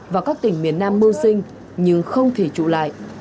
và các tỉnh miền nam mưu sinh nhưng không thể trụ lại